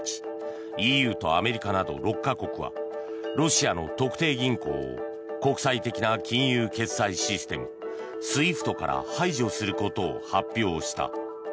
ＥＵとアメリカなど６か国はロシアの特定銀行を国際的な金融決済システムＳＷＩＦＴから排除することを発表した。